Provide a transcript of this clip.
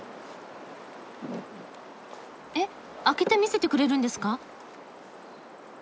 えっ開けて見せてくれるんですか？